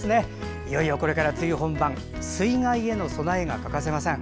いよいよこれから梅雨本番水害への備えが欠かせません。